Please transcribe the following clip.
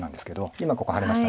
今ここハネました。